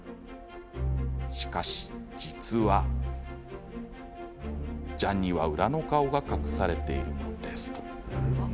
しかし実はジャンには裏の顔が隠されているのです。